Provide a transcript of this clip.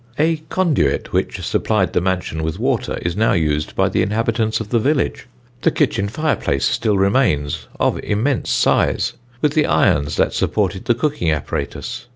A conduit, which supplied the mansion with water, is now used by the inhabitants of the village. The kitchen fireplace still remains, of immense size, with the irons that supported the cooking apparatus.